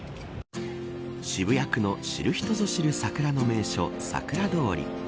渋谷区の知る人ぞ知る桜の名所さくら通り